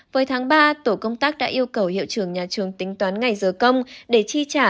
với tháng ba tổ công tác đã yêu cầu hiệu trưởng nhà trường tính toán ngày giờ công để chi trả